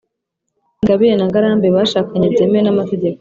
ingabire na ngarambe bashakanye byemewe n’amategeko,